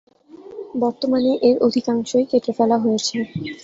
বর্তমানে এর অধিকাংশই কেটে ফেলা হয়েছে।